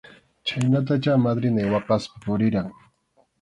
Chhaynatachá madrinay waqaspa purirqan.